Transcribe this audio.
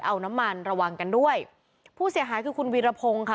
เอาน้ำมันระวังกันด้วยผู้เสียหายคือคุณวีรพงศ์ค่ะ